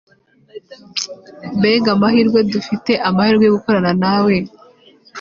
mbega amahirwe dufite amahirwe yo gukorana nawe